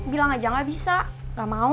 bilang aja gak bisa gak mau